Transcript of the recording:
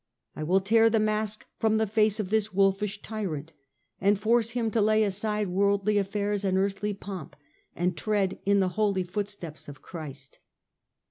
I will tear the mask from the face of this wolfish tyrant, and force him to lay aside worldly affairs and earthly pomp, and tread in the holy footsteps of Christ."